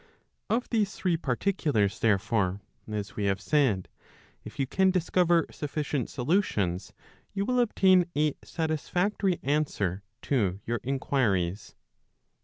Of these three particulars therefore, as we have said, if you can discover sufficient solutions, you will obtain a satisfactory answer to your inquiries.